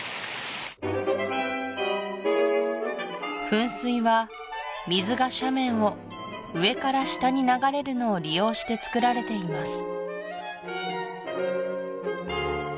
噴水は水が斜面を上から下に流れるのを利用して造られています